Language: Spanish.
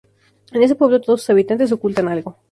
En este pueblo todos sus habitantes ocultan algo.